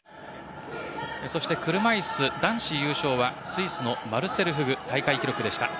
そして、車いす男子優勝はスイスのマルセル・フグ大会記録でした。